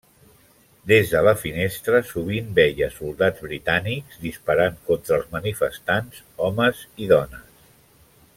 Des de la finestra, sovint veia soldats britànics disparant contra els manifestants, homes i dones.